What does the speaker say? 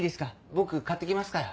僕買ってきますから。